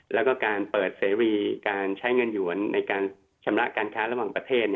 แล้วก็การเปิดเสรีการใช้เงินหวนในการชำระการค้าระหว่างประเทศ